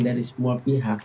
dari semua pihak